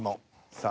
さあ。